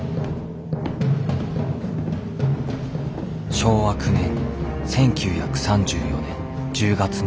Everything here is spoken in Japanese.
昭和９年１９３４年１０月２３日。